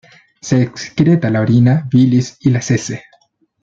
Se excreta en la orina, bilis y las heces.